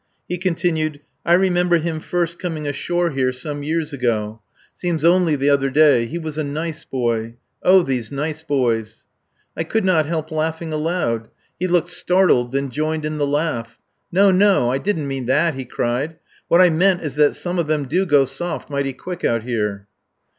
He continued: "I remember him first coming ashore here some years ago. Seems only the other day. He was a nice boy. Oh! these nice boys!" I could not help laughing aloud. He looked startled, then joined in the laugh. "No! No! I didn't mean that," he cried. "What I meant is that some of them do go soft mighty quick out here."